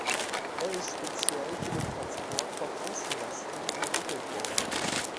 Er ist speziell für den Transport von Außenlasten entwickelt worden.